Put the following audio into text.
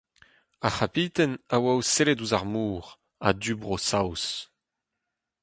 Ar c'habiten a oa o sellet ouzh ar mor, a-du bro-Saoz.